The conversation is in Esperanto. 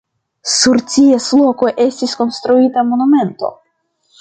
Sur ties loko estis konstruita monumento.